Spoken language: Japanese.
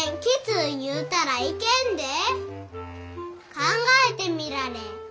考えてみられえ。